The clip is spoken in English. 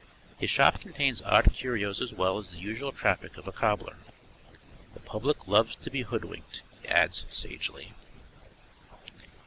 His shop contains odd curios as well as the usual traffic of a cobbler. "The public loves to be hood winked," he adds sagely.